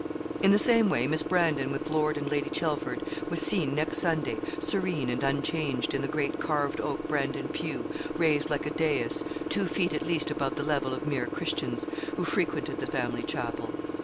In the same way Miss Brandon, with Lord and Lady Chelford, was seen next Sunday, serene and unchanged, in the great carved oak Brandon pew, raised like a dais two feet at least above the level of mere Christians, who frequented the family chapel.